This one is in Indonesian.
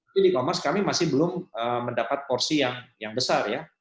di e commerce kami masih belum mendapat porsi yang besar ya